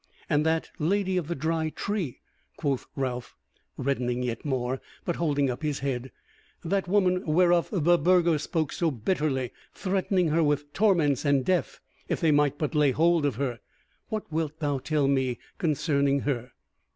"And that Lady of the Dry Tree," quoth Ralph, reddening yet more, but holding up his head, "that woman whereof the Burgher spoke so bitterly, threatening her with torments and death if they might but lay hold of her; what wilt thou tell me concerning her?"